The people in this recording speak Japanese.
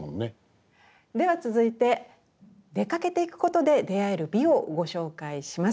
では続いて出かけていくことで出会える美をご紹介します。